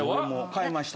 変えました。